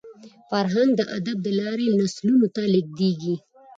فرهنګ د ادب له لاري نسلونو ته لېږدېږي.